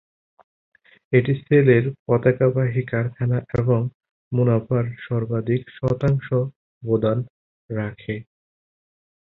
এটি সেলের পতাকাবাহী কারখানা এবং মুনাফার সর্বাধিক শতাংশ অবদান রাখে।